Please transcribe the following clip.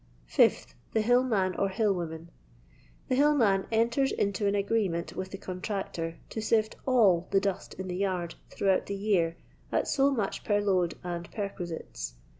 5th. The hill man or hiU woman. The hil ' num enters into an agreement with the contractor to sift all the dust in the yard throughout the year at so much per load and perquisites.